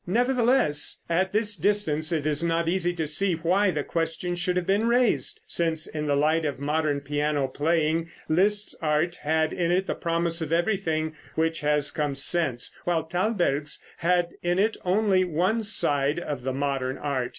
Nevertheless, at this distance it is not easy to see why the question should have been raised, since in the light of modern piano playing Liszt's art had in it the promise of everything which has come since; while Thalberg's had in it only one side of the modern art.